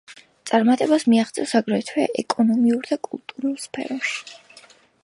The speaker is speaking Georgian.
წარმატებას მიაღწიეს, აგრეთვე, ეკონომიკურ და კულტურულ სფეროებში.